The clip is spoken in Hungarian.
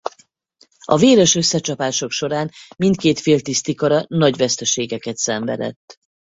A véres összecsapások során mindkét fél tisztikara nagy veszteségeket szenvedett.